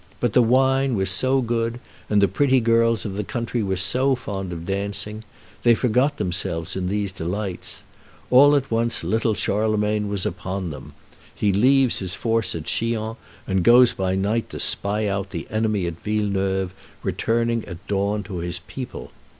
But the wine was so good, and the pretty girls of the country were so fond of dancing! They forgot themselves in these delights. All at once Little Charlemagne was upon them. He leaves his force at Chillon, and goes by night to spy out the enemy at Villeneuve, returning at dawn to his people.